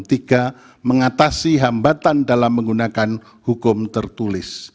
tiga mengatasi hambatan dalam menggunakan hukum tertulis